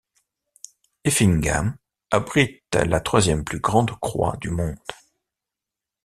Effingham abrite la troisième plus grande croix du monde.